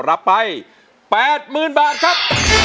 รับไป๘หมื่นบาทครับ